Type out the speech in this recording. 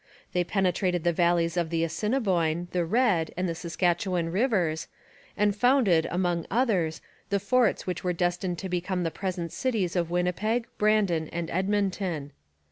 They penetrated the valleys of the Assiniboine, the Red, and the Saskatchewan rivers, and founded, among others, the forts which were destined to become the present cities of Winnipeg, Brandon, and Edmonton.